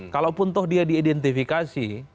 kalaupun toh dia diidentifikasi